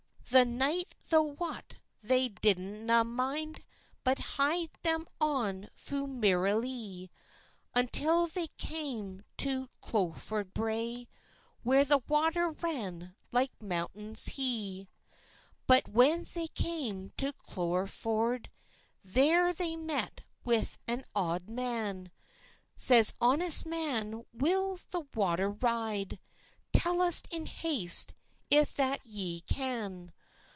The night, tho wat, they didna mind, But hied them on fu mirrilie, Until they cam to Cholerford brae, Where the water ran like mountains hie. But when they came to Cholerford, There they met with an auld man; Says, "Honest man, will the water ride? Tell us in haste, if that ye can."